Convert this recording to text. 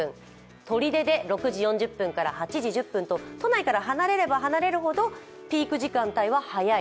取手で６時４０分から８時１０分と都内から離れれば離れるほどピーク時間帯は早い。